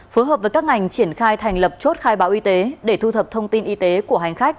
phối hợp với các ngành triển khai thành lập chốt khai báo y tế để thu thập thông tin y tế của hành khách